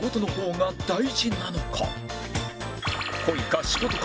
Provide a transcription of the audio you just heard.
恋か